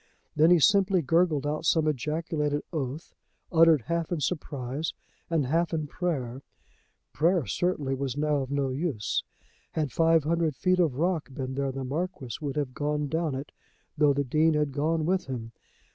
Then he simply gurgled out some ejaculated oath, uttered half in surprise and half in prayer. Prayer certainly was now of no use. Had five hundred feet of rock been there the Marquis would have gone down it, though the Dean had gone with him.